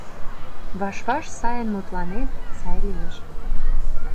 Ваш-ваш сайын мутланет, сай лиеш.